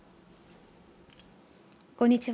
こんにちは。